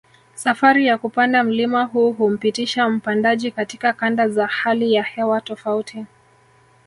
Safari ya kupanda mlima huu humpitisha mpandaji katika kanda za hali ya hewa tofauti